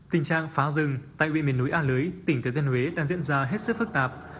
tình trạng phá rừng tại huyện miền núi a lưới tỉnh thừa thiên huế đang diễn ra hết sức phức tạp